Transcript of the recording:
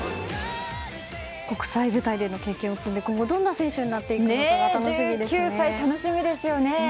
国際舞台での経験を積んで今後、どんな選手になっていくか１９歳、楽しみですね。